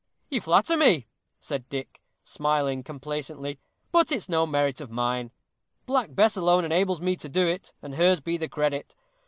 "You flatter me," said Dick, smiling complacently; "but it's no merit of mine. Black Bess alone enables me to do it, and hers be the credit.